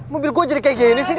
mobil gue jadi kayak gini sih